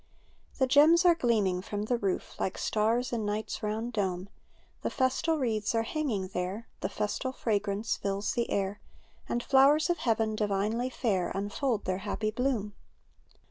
'The gems are gleaming from the roof. Like stars in night's round dome; The festal wreaths are hanging there. The festal fragrance fills the air, Andfioivers of heaven, divinely fair. Unfold their happy bloom.